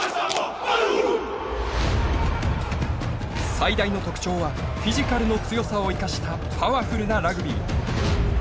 最大の特徴はフィジカルの強さを生かしたパワフルなラグビー。